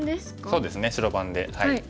そうですね白番で。